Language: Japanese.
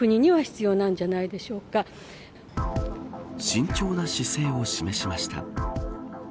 慎重な姿勢を示しました。